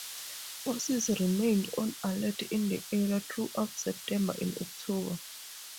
Forces remained on alert in the area throughout September and October.